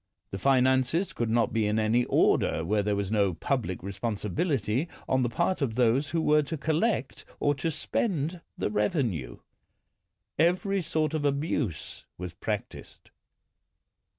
The finances could not be in any order where there was no public responsi bility on the part of those who were to collect or to spend the revenue. Every sort of abuse was practised.